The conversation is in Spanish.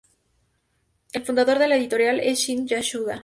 El fundador de la editorial es Shin Yasuda.